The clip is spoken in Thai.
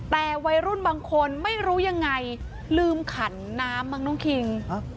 แต่วัยรุ่นบางคนไม่รู้ยังไงลืมขันน้ำมั้งน้องคิง